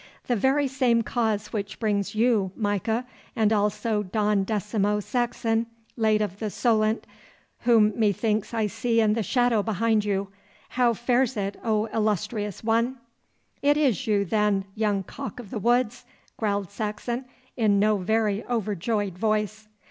'The very same cause which brings you, Micah, and also Don Decimo Saxon, late of the Solent, whom methinks I see in the shadow behind you. How fares it, oh illustrious one?' 'It is you, then, young cock of the woods!' growled Saxon, in no very overjoyed voice.